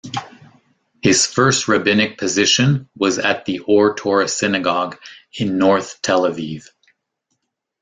His first rabbinic position was at the Ohr Torah synagogue in North Tel Aviv.